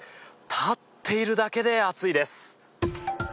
立っているだけで暑いです。